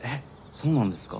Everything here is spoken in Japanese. そうなんですか？